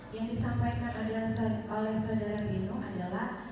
yang disampaikan oleh saudara geno adalah